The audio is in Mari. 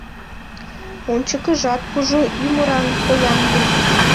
Ончыкыжат кужу ӱмыран, поян лий.